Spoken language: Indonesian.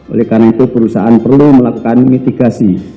oleh karena itu perusahaan perlu melakukan mitigasi